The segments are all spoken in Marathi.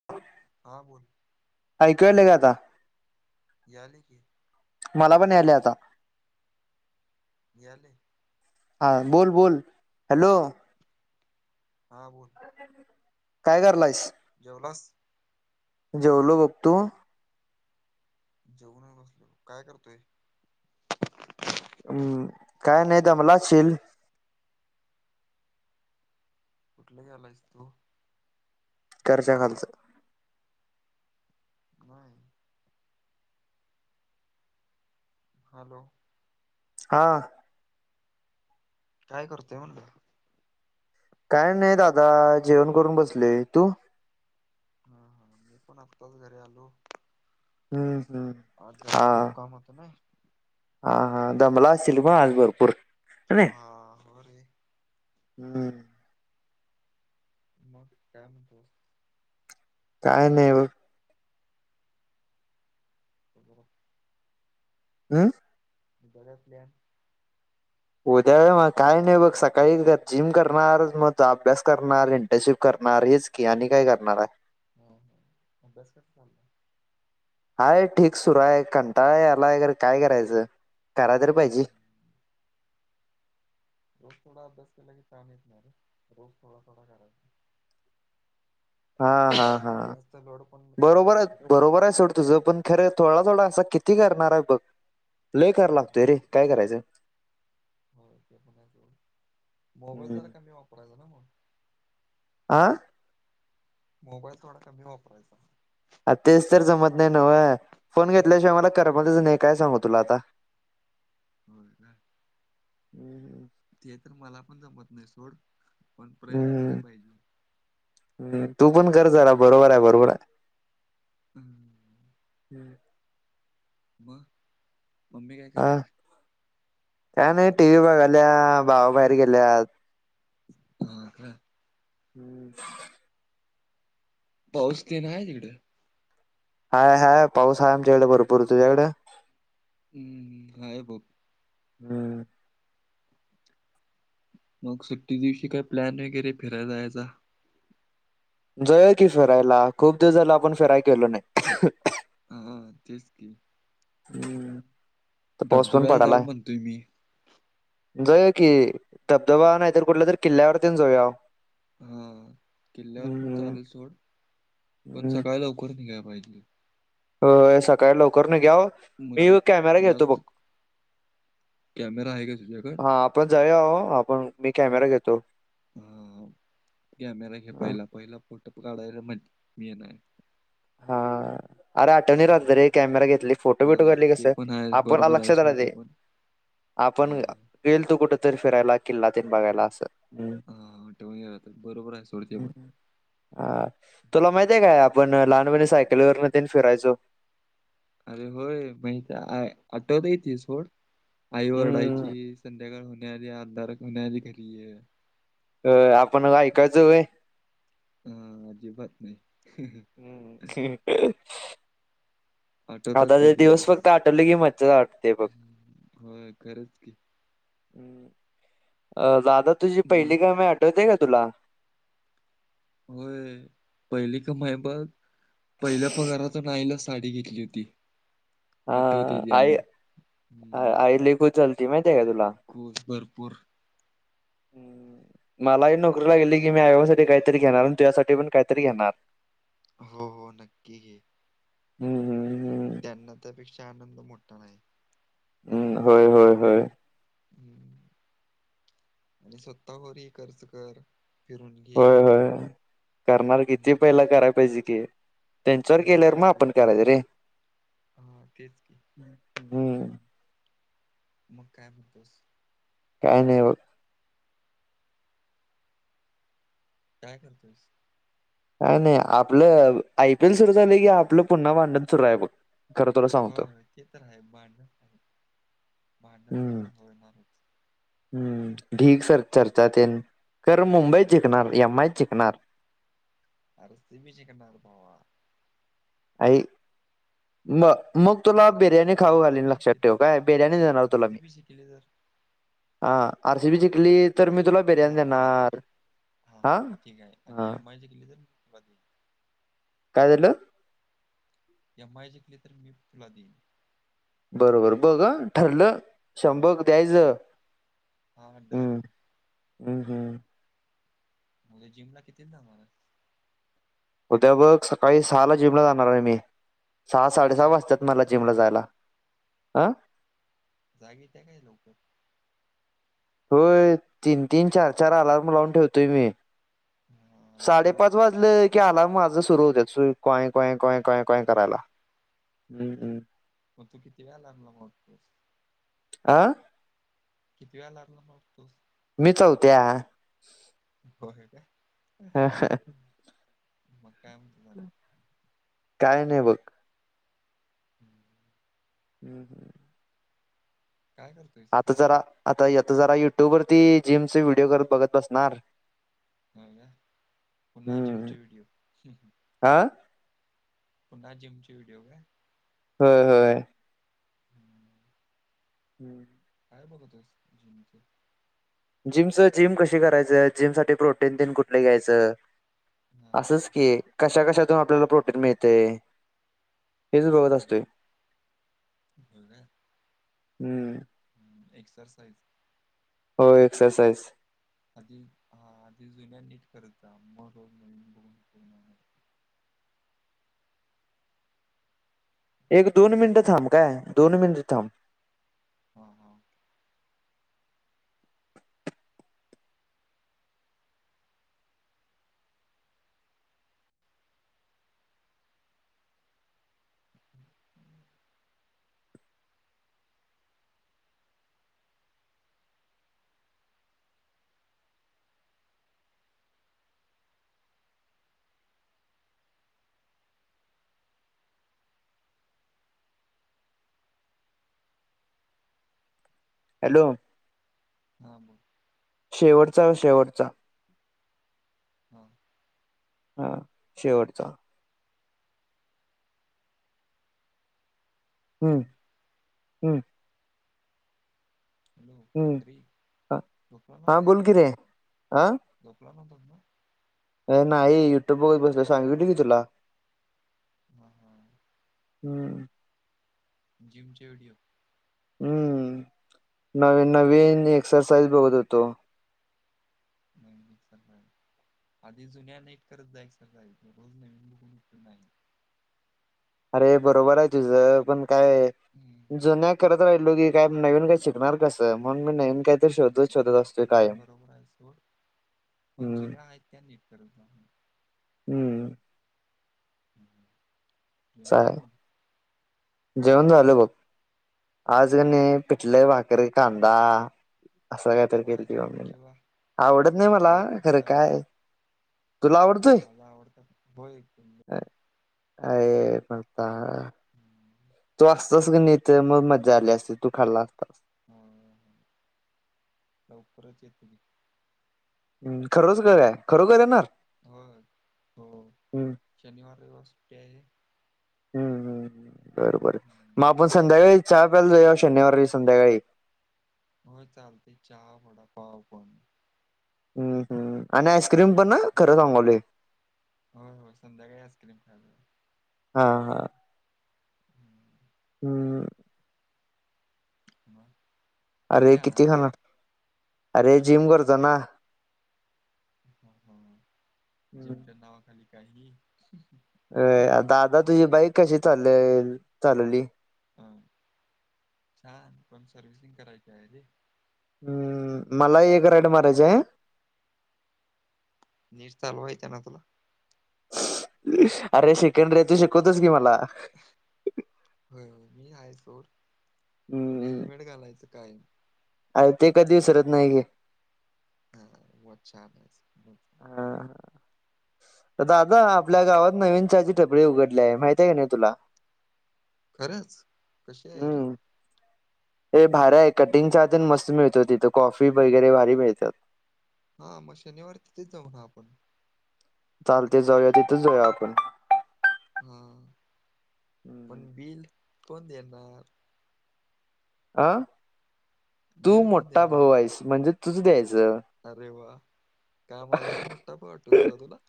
[unintelligible] हा बोल. ऐकू यायलय का आता? जेवलोय की. मला पण यायले आता. यायलय. हां. बोल बोल हॅलो. हा बोल. काय करायलायस? जेवलास? जेवलो बघ. तू? जेऊनच बसलोय. काय करतोय. हम्म. काय नाही दमला असशील. कुठला घ्यायलायस तू? चर्चे च्या खालच. नाही. हॅलो. हा. काय करतोय म्हणलं? काय नाही दादा. जेवण करून बसलोय तू? हम हम. मी पण आत्ताच घरी आलो. हम्म हम्म. आज जरा हा खूप काम होतं नाही. हा हा. दमला असशील ना आज भरपूर. है नाही हा हो रे. हम्म हम्म. मग काय म्हणतो? काय नाही बघ. [unintelligible] हम. घरातल्या उद्या होय. मग काय नाही बघ. सकाळीच एकदा जिम करणार. मग अभ्यास करणार. इंटर्नशिप करणार हेच की आणि काय करणार आहे. ह हा अभ्यास करणार. हाय ठीक सुरू आहे. कंटाळा यायलाय. खरं काय करायचं. करायला तरी पाहिजे. हम्म. रोज थोडा अभ्यास केला की ताण येत नाही रे. रोज थोडा थोडा करायचा. हा हा हा जास्त लोड पण करून बरोबर आहे. घ्यायचा नाही बरोबर आहे सोड तु तुझं पण खरं. थोडा थोडा असा किती करणार आहे बघ. लय कराय लागतोय रे काय करायचं. हो ते पण आहे सोड. मोबाईल हम्म. जरा कमी वापरायचा ना मग. आ. मोबाईल थोडा कमी वापरायचा. आ तेच तर जमत नाही [inaudible] नवय फोन घेतल्याशिवाय मला [inaudible] कराबच नाही काय सांगू तुला आता. हो का? [inaudible] हम्म हम् ते तर मला पण जमत नाही सोड पण, प्रयत्न करायला पाहिजे. [inaudible] ह्म तू पण कर झाला बरोबर आहे. बरोबर आहे. हम्. हम्म. म मम्मी काय करते. [inaudible] का नाही टी व्ही बघाल्या [inaudible] भावाबाहेर गेल्या. हो का? हम्म. पाऊस तेन आहे [inaudible] तिकडे. हाय, हाय, पाऊस आहे आमच्याकडे भरपूर. तुझ्याकडे? हम्म हम [inaudible] हा [inaudible] ब हम. मग सुट्टी दिवशी काय प्लॅन वगैरे फिरायला जायचा. [inaudible] जयल की फिरायला खूप [inaudible] दिवससाला आपण फिराय [inaudible] केलो नाही. हा तेच की. हम्म. तर पाऊस पण धबधब्याला जाऊ पडालाय म्हणतोय मी. जाऊया कि धबधबा नाहीतर कुठल्या तरी किल्ल्यावरती जाऊया. हा किल्ल्यावर पण हम्म चालेल सोड, पण हम्म सकाळी लवकर निघाय पाहिजे [inaudible] अ सकाळी लवकर [inaudible] न घ्याव. म्हणजे, जास्त कॅमेरा आहे का तुझ्याकड? हा आपण जाऊ आो आपण मी कॅमेरा घेतो. हा कॅमेरा घे [inaudible] हा पायला पहिला फोटो काढायला [inaudible] म्ह मी [inaudible] ये ना हा.. अरे आठवणी राहत रे हम्म. कॅमेरा घेतली फोटो बिटो हा घातली ते कसं पण आहे आपण बरोबर आहे लक्षात सोड ते राहते. पण हा आपण गेल तू कुठ तरी फिरायला किल्लात बघायला असं. हम्म [inaudible] हा [inaudible] ठेवून यात बरोबर आहे सोडती पण हम्म. हा तुला माहितय काय? आपण लहानपणी सायकलवर न फिरायचो. अरे होय [inaudible] माह आठवता [inaudible] येत [inaudible] सथोड आई [inaudible] हम्म वओरडायची संध्याकाळ होण्या आली अधारक होण्याली घरी [inaudible] आहे अ आपण ऐकायचय [inaudible] हा अजीबात नाही. [unintelligible] [inaudible] हम्म त आता ते दिवस फक्त आठवले की [inaudible] मचच्या [inaudible] आटते फघ हम्म, होय खरंच की [inaudible] हम् दादा तुझी मग पहिली [inaudible] काय मी आठवते का तुला. [inaudible] वय पहिली का माई बघ पहिल्या पगाराात [inaudible] नाईला साडी घेतली होती. हा आठवते ती आई अजून आई [inaudible] खू [inaudible] चालती माहिती आहे का तुला. कोच भरपूर. हम्म. मलाही नोकरी लागेली की मी आईबासाठी काहीतरी घेणार आणि [inaudible] त्याझसाठी पण काहीतरी घेणार. हो, हो, नक्की [inaudible] घ हम्म हम्म हम्म. त्यांना त्यापेक्षा आनंद मोठा नाही. ह्. होय. होय. होय. [inaudible] हम् आणि स्वतः [inaudible] होरी खर्च कर. फिरून घे होय होय हम्म पजके हम्म तेच, हा तेच की हम्म. मग काय म्हणतोस? काय नाही ओ काय करतोस? काय नाही आपलं आय पी एल सुरू झालं की आपलं पुन्हा भांडण सुरू आहे बघ खरं तुला सांगतो. होय ते तर आहे भांडण भांडण तर हम्म. का होणारच हम्म ठीक सर चर्चात येन कर मुंबई हम्म जिकणार एम आयच जिकणार [unintelligible] आई मग मग तुला आर बिर्याणी आर खाऊ सी घालीन लक्षात ठेव काय बिर्याणी देणार तुला मी. जिंकली तर हा आर सी बी जिंकली तर मी आणि तुला बिर्याणी हा चल देणार. हा हा ठीक आहे आणि हा एम आय जिंकली तर [unintelligible] काय झालं? एम आय जिंकली तर मी तुला देईन. बरोबर बघ हा ठरलं हा शंभर रुपये हा ठीक द्यायच हा डन हम्म हम्म हम्म. मग जिम ला कितीला जाणार आहे. उद्या बघ सकाळी सहा ला जिमला जाणार आहे मी. सहा साडे सहा जाग येत्या वाजतात काय रे मला तुला? जिमला जायला अह. जाग येते काय लवकर? होय तीन तीन चार चार अलार्म लावून ठेवतोय मी. हा अलार्म लाव साडेपाच वाजलं की अलार्म माझ सुरु होत्यात. कॉय कॉय कॉय कॉय होय काय करायला. हम्म हम्म मग तु कितीव्या अलार्म ला जगतोस. आह. किती वेळा अलार्म ला लावतोस? मी चौथ्या. होय काय. हा हा. मग काय म्हण काय नाही बघ हम्म. हम्म हम्म. काय कर आता जरा आता आता जरा युट्यूब वरती जिमचे व्हिडिओ करत बघत बसणार हो ना पुन्हा जिमचे व्हिडिओ आ पुन्हा जिम चे व्हडिओ काय व्हय. हम्म. हम्म. काय बघतोयस जीम च? जिमच जिम कशी करायचं जिम साठी प्रोटीन तेन कुठल घ्यायचं. हा हा असंच की कशा कशातून आपल्याला प्रोटीन मिळतय. हिच हा बघत हा असतोय होय काय हम्म. एक्सरसाईज हो एक्सरसाईज. आधी हा आधी जुन्या नीट करत जा मग नवीन बघून पूर्ण एक दोन मिनिटं एक्सरसाइज थांब काय दोन मिनिटं थांब. हा हा. [inaudible] हॅलो. हा बोल. शेवटचा शेवटचा. हां. हा शेवटचा. हम्म मग हम्. हॅलो हम्म, श्री झोपला हां नव्हतास बोल की रे आ? झोपला न्हवतास ना? अ नाही युट्यूब बघत बसलोय सांगितलं हुतं की तुला. हा हा. हम्म. जिमचे व्हिडिओ? हम्म, नवीन नवीन एक्सरसाइज बघत होतो. नवीन एक्सरसाइज आधी जुन्या नीट करत जाय एक्सरसाइज रोज नवीन बघून उपयोग नाय. अरे बरोबर आय तुझं पण काय हम्म जुन्या करत जायलो की काय नवीन काय शिकणार कस म्हणून मी नवीन काय तस नाय ते पण बरोबर हाय सोड पण हम्म जुन्या हायत त्या नीट करत जा. हम्म. [inaudible] चाय, झालं ना जेवण झाल बघ आज क हम्म. नई पीठल, भाकरी, कांंदा असं कायतरी होय केलंती मम्मी न, अरे वा आवडत नाय माझा मला आवडता खरं काय तुला आवडतोय माझ्या आवडत हो [unintelligible] आय मर्दा. [inaudible] तू असतास कणी इथ तर म मज्जा आली असती तू खाल्ला असतास. हम्म, लवकरच येतो की. हम्म, खरच का -काय खरोखर येणार? होय हो हम्म शनिवार रविवार सुट्टी हाय. हम्म हम् हम्, बर बर म आपण संध्याकाळी चहा प्याला जाऊया शनिवारी संध्याकाळी. होय चालतय चहा वडा पाव पण. हम्म हम्म, आणि आइस क्रीम पण अ. होय होय, संध्याकाळी आईस्क्रीम खायला हा, हा. हम् उम. मग. अरे, किती खाणार? अरे, जिम करतो ना. हम हम, हम्म. जीमच्या नावाखाली काहीही. अ... दादा, तुझी बाईक कशी चालल? चालवली. हा, छान! पण सर्विसिंग करायची आहे रे. हम्म, मला एक राइड मारायचा आहे. नीट चालवाय येत्या ना तुला. अरे, शिकण रे, तू शिकवतोस की मला. होय होय, मी हाय सोड, पण हेलमेट घालायचं कायम. अय, ते कधी विसरत नाही की. हा, मग छान आहेस. हां, ह. दादा, आपल्या गावात नवीन चहाची टपरी उघडली आहे, माहितीये का नाही तुला? खरंच, कशी आहे रे? ए, भारी हाय कटिंग चहा तर मस्त मिळतोय तिथं, कॉफी वगैरे भारी मिळत्यात. हा, मग शनिवारी तिथेच जाऊना आपण. चालतंय, जाऊया तिथंच जाऊया आपण. हम, हम्म. पण बिल कोण देणार? आ. तू बिल कोण मोठा भाऊ देणार? हाईस, म्हणजे तुच द्यायचं. अरे वा! काम आलं की मोठा भाऊ आठवतो का तुला?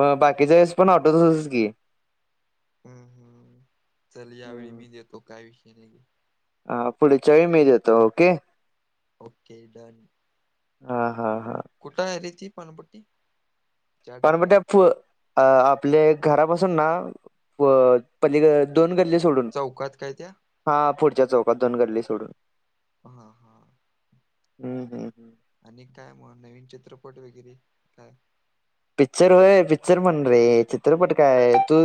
मग बाकीच्या वेळेस पण आठवतोसच की. हम्म हम, चल, यावेळी हम्म. मी देतो, काय विषय नाहीे. हा, पुढच्या वेळी मी देतो, ओके. Okay, done. हा हा हा. कुठं आहे त्याची पानपट्टी? चहा टपरी? पानपट्टी प अ... आपल्या घरापासून ना प पल्ली क दोन गल्ली सोडून चौकात काय त्या? हां, पुढच्या चौकात दोन गल्ली सोडून. हां हा. हम्म हम्म हम्म. आणि काय मग, नवीन चित्रपट वगैरे काय? पिक्चर होय, पिक्चर म्हण रे, चित्रपट काय तू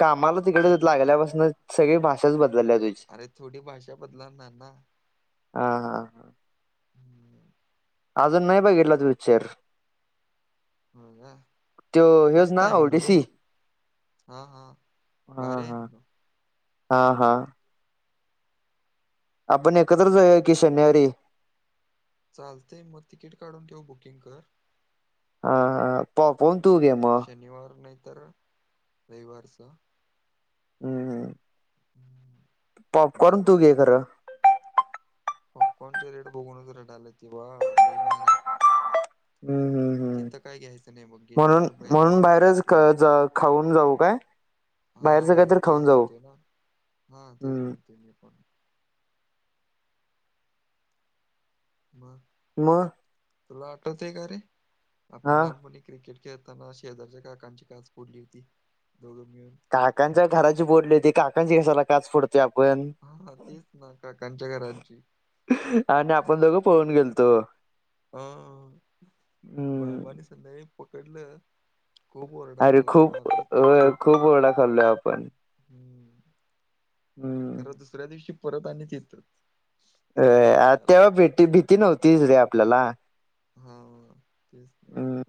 कामाला तिकडं चित्रपट? लागल्यापासनं सगळी भाषाच बदलाल्या तुझी. अरे थोडी भाषा बदलणार ना. हां, हा. हम्म. अजून नाही बघितला तु पिक्चर. होय का, तो ह्योच मस्त ना आहे म्हण रे. ओडिसी हां, हा हा भारी आहे हा ‌म्हटलो. हा, हा. आपण एकत्र भारी आहे. जाऊया की शनिवारी. चालतंय, मग तिकीट काढून ठेव, बुकिंग कर. हा हा पॉपकॉर्न तू घे मग शनिवार नाही तर रविवारच. हम्. हम. [inaudible] पॉपकॉर्न तू जाऊया घे मग खरं. पॉपकॉर्नचे रेट बघूनच रडायला ते बा ल‌ई महाग असतात हम् हम् हम्. घ्यायचं नाही मग घेतलं म्हणून तर बाहेरनं म्हणून काय तर बाहेरच घेऊन जावे खाऊन जाऊ काय? हा. बाहेरचं हा. काहीतरी तेच खाऊन जाऊ म्हणतोय ना. हा तेच हम्म म्हणतोय मी पण. बर. मग. तुला आठवत आहे का रे? हा आपण लहानपणी क्रिकेट खेळताना शेजारच्या काकांची काच फोडली होती. दोघं मिळून. काकांच्या घराची फोडली होती काकांची कशाला काच फोडत ची आपण. हा तेच ना काकांच्या घराची. आणि आपण दोघं पळुन गेलतो. हो. हम्म बाबानी संध्याकाळी पकडलं खूप ओरडा अरे खाल्ला खूप मारलीत पण अ खूप. ओरडा खाल्लोय आपण. हम्. हम्म. खर दुसऱ्या दिवशी परत आणि तिथं. अ तेव्हा भेती भीती नव्हतीच रे आपल्याला. हा. तेच. ना हम्.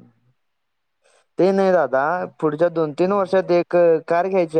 ते नाही दादा मग पुढच्या दोन तीन हा वर्षात एक कार घ्यायची हाय.